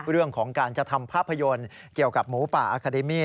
เรื่องของการจะทำภาพยนตร์เกี่ยวกับหมูป่าอาคาเดมี่